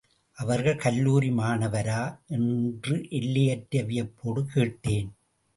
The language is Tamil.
அவர் கல்லூரி மாணவரா என்று எல்லையற்ற வியப்போடு கேட்டேன்.